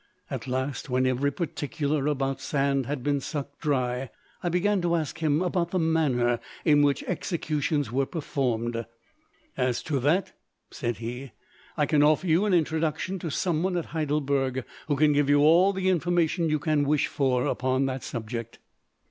At last, when every particular about Sand had been sucked dry, I began to ask him about the manner in which executions were performed. "As to that," said he, "I can offer you an introduction to someone at Heidelberg who can give you all the information you can wish for upon the subject."